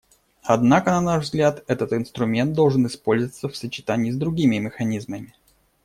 Однако, на наш взгляд, этот инструмент должен использоваться в сочетании с другими механизмами.